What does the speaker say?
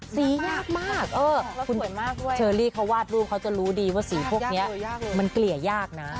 ยากมากเชอรี่เขาวาดรูปเขาจะรู้ดีว่าสีพวกนี้มันเกลี่ยยากนะ